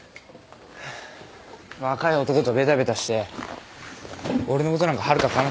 若い男とべたべたして俺のことなんかはるかかなただよ。